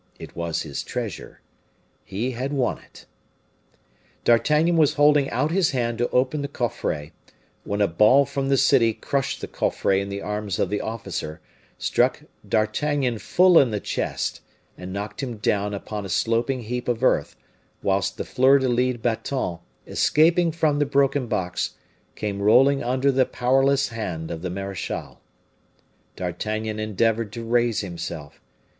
It was his treasure he had won it. D'Artagnan was holding out his hand to open the coffret, when a ball from the city crushed the coffret in the arms of the officer, struck D'Artagnan full in the chest, and knocked him down upon a sloping heap of earth, whilst the fleur de lised baton, escaping from the broken box, came rolling under the powerless hand of the marechal. D'Artagnan endeavored to raise himself.